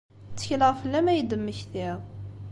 Ttekleɣ fell-am ad iyi-d-temmektiḍ.